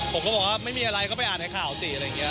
ผมก็บอกว่าไม่มีอะไรก็ไปอ่านไอ้ข่าวสิ